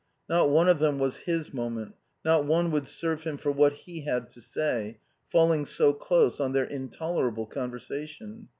Not one of them was his moment, not one would serve him for what he had to say, falling so close on their intolerable conversation.